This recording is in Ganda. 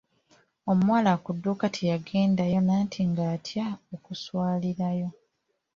Omuwala ku dduuka teyagendayo anti nga atya okuswalirayo.